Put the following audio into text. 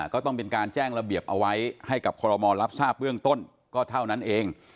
ก็ต้องเป็นการแจ้งระเบียบเอาไว้ให้กับคอรมอลรับทราบเบื้องต้นก็เท่านั้นเอง